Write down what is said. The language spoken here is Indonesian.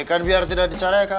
eh kan biar tidak dicarekan